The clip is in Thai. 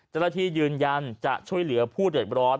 เจ้าหน้าที่ยืนยันจะช่วยเหลือผู้เดือดร้อน